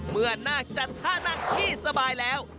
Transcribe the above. เมื่อหน้าจัดท่านักที่สบายแล้ว